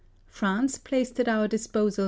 France placed at our disposal M.